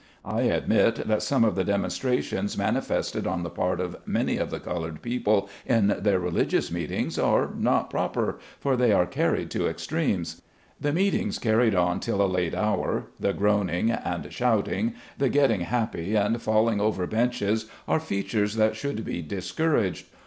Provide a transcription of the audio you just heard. I admit that some of the demonstrations mani fested on the part of many of the colored people in their religious meetings, are not proper — for they are carried to extremes. The meetings carried on till a late hour, the groaning, and shouting, the get ting happy, and falling over benches, are features that should be discouraged.